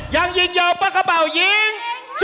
ยังยิงเยาว์ปะกะเป่ายิง